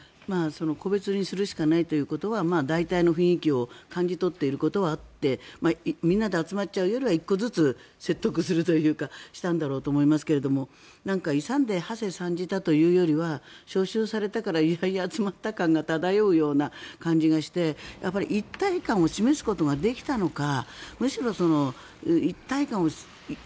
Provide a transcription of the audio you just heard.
個別にするしかないということは大体の雰囲気を感じ取っていることはあってみんなで集まっちゃうよりは個別に説得しようとしたんだろうと思いますけど勇んではせ参じようというよりは招集されたから嫌々集まった感じが漂う感じがして一体感を示すことができたのか。